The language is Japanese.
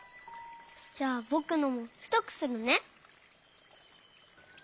じゃあぼくのもふとくするね。